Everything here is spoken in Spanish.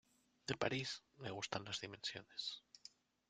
De París, me gustan las dimensiones.